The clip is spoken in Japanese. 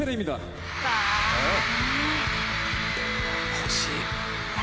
欲しい。